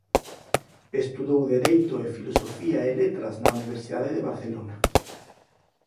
Estudou dereito e filosofía e letras na Universidade de Barcelona.